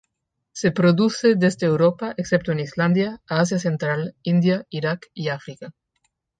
Se produce desde Europa excepto en Islandia a Asia Central, India, Irak y África.